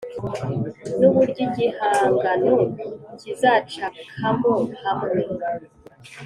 N uburyo igihangano kizacapwamo hamwe